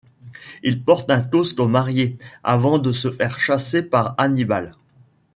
Il porte un toast aux mariés avant de se faire chasser par Annibale.